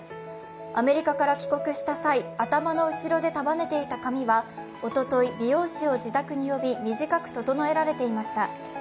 アメリカから帰国した際、頭の後ろで束ねていた髪はおととい、美容師を自宅に呼び、短く整えられていました。